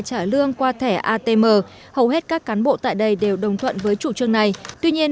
trả lương qua thẻ atm hầu hết các cán bộ tại đây đều đồng thuận với chủ trương này tuy nhiên